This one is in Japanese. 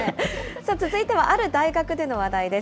さあ、続いてはある大学での話題です。